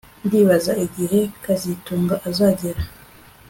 Ndibaza igihe kazitunga azagera